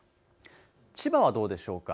千葉はどうでしょうか。